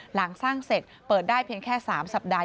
หลังสร้างเสร็จเปิดได้เพียงแค่๓สัปดาห์